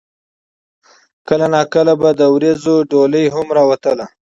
کله نا کله به د وريځو ډولۍ هم راوتله